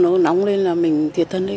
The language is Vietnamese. nó nóng lên là mình thiệt thân ấy